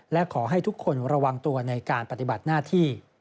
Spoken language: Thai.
และขอให้ทุกคนระวังตัวในการปฏิบัติหน้าที่